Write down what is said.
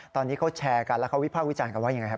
ตอนนี้เขาแชร์กันแล้วเขาวิภาควิจารณ์กันว่ายังไงครับ